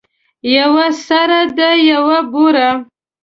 یوه سره ده یوه بوره.